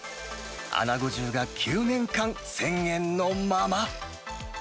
アナゴ重が９年間、１０００円のまま。